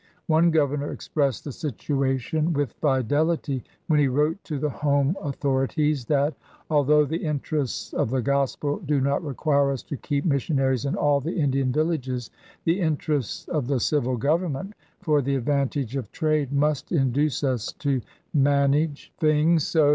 One governor expressed the situation with fidelity when he wrote to the home authori ties that, ''although the interests of the Gospel do not require us to keep missionaries in all the Indian villages, the interests of the civil government for the advantage of trade must induce us to manage 1* f • I .